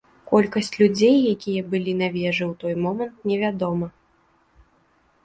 Колькасць людзей, якія былі на вежы ў той момант, невядома.